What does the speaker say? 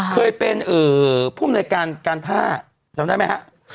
เคยเป็นผู้ในการท่าจำได้มั้ยฮะ